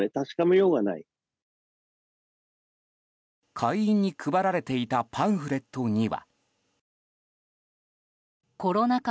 会員に配られていたパンフレットには。